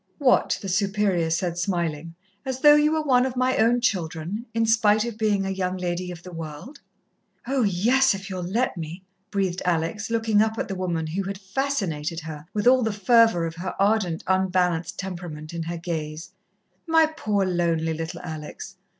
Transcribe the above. "What," the Superior said, smiling, "as though you were one of my own children, in spite of being a young lady of the world?" "Oh, yes if you'll let me," breathed Alex, looking up at the woman who had fascinated her with all the fervour of her ardent, unbalanced temperament in her gaze. "My poor, lonely little Alex!